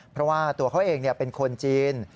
เพราะว่าตัวเขาเองเป็นคนจีน